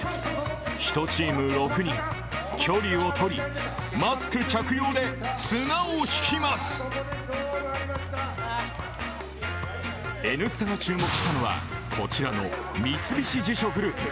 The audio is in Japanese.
１チーム６人、距離を取り、マスク着用で綱を引きます「Ｎスタ」が注目したのはこちらの三菱地所グループ。